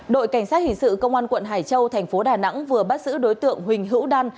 đội cảnh sát hình sự công an quận hải châu thành phố đà nẵng vừa bắt giữ đối tượng huỳnh hữu đan